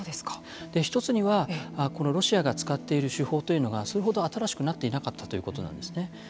一つには、ロシアが使っている手法というのがそれほど新しくなっていなかったということなんですね。